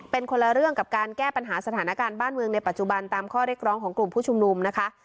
เป็นคนละเรื่องกับการแก้ปัญหาสถานการณ์บ้านเมืองในปัจจุบันตามข้อเรียกร้องของกลุ่มผู้ชุมนุมนะคะ